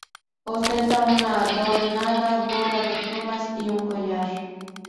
Ostenta una adornada gorra de plumas, y un collar.